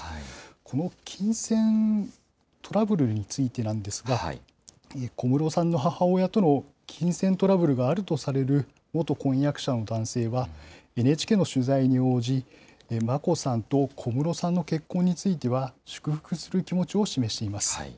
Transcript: この金銭トラブルについてなんですが、小室さんの母親との金銭トラブルがあるとされる元婚約者の男性が、ＮＨＫの取材に応じ、眞子さんと小室さんの結婚については、祝福する気持ちを示しています。